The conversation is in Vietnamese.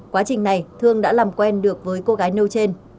quá trình này thương đã làm quen được với cô gái nêu trên